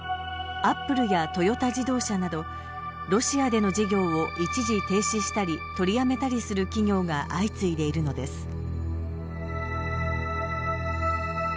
アップルやトヨタ自動車などロシアでの事業を一時停止したり取りやめたりする企業が相次いでいるのです。